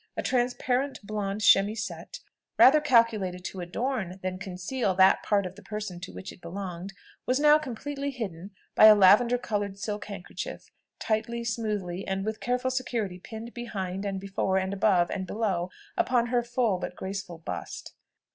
A transparent blond chemisette, rather calculated to adorn than conceal that part of the person to which it belonged, was now completely hidden by a lavender coloured silk handkerchief, tightly, smoothly, and with careful security pinned behind, and before, and above, and below, upon her full but graceful bust.